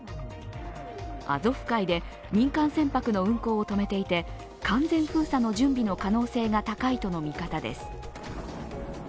アゾフ海で民間船舶の運航を止めていて完全封鎖の準備の可能性が高いとの見方です。